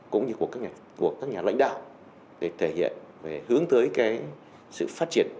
cũng như của các nhà lãnh đạo để thể hiện về hướng tới sự phát triển